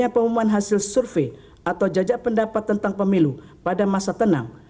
pemilu pemilu pada masa tenang